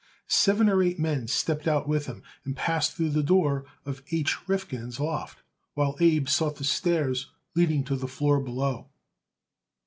Seven or eight men stepped out with him and passed through the door of H. Rifkin's loft, while Abe sought the stairs leading to the floor below.